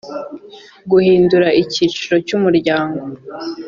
guhindura icyicaro cy umuryango